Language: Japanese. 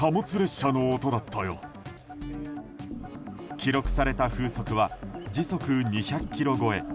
記録された風速は時速２００キロ超え。